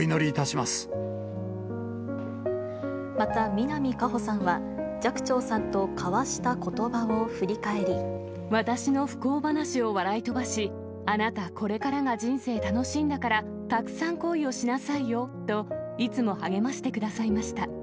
また南果歩さんは、寂聴さん私の不幸話を笑い飛ばし、あなた、これからが人生楽しいんだから、たくさん恋をしなさいよと、いつも励ましてくださいました。